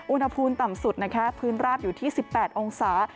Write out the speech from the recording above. อุณหภูมิต่ำสุดนะคะพื้นราบอยู่ที่๑๘องศา